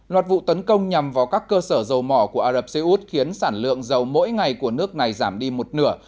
loạt vụ tấn công nhằm vào các cơ sở dầu mỏ của ả rập xê út khiến sản lượng dầu mỗi ngày của nước này giảm đi một nửa